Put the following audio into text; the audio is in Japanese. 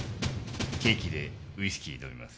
ケーキでウイスキー飲みます。